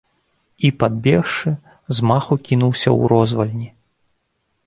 І, падбегшы, з маху кінуўся ў розвальні.